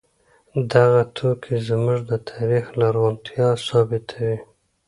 دغه توکي زموږ د تاریخ لرغونتیا ثابتوي.